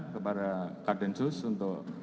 kepada kartensus untuk